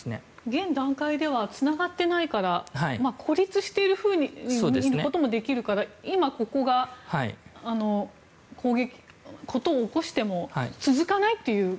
現段階ではつながってないから孤立しているふうに見えることもできるから今、ここが事を起こしても続かないという。